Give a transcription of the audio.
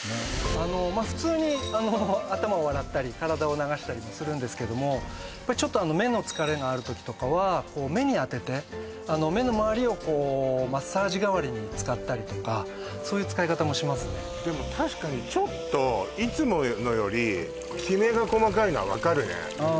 あのまあ普通に頭を洗ったり体を流したりもするんですけどもちょっと目の疲れのある時とかは目に当てて目のまわりをこうマッサージ代わりに使ったりとかそういう使い方もしますねでも確かにちょっといつものよりきめが細かいのは分かるねああ